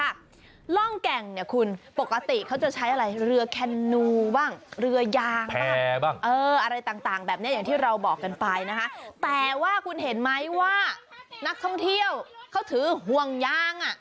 ร่องแก่งเนี่ยคุณปกติเขาจะใช้อะไรเรือแคนนูบ้างเรือยางบ้างเอออะไรต่างแบบนี้อย่างที่เราบอกกันไปนะคะแต่ว่าคุณเห็นไหมว่านักท่องเที่ยวเขาถือห่วงยางอ่ะ